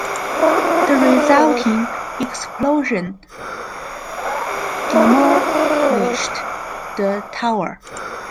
The resulting explosion demolished the tower.